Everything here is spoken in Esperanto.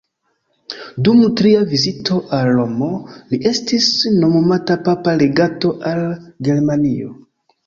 Dum tria vizito al Romo li estis nomumata papa legato al Germanio.